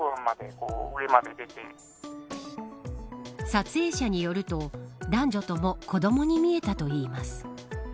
撮影者によると男女とも子どもに見えたといいます。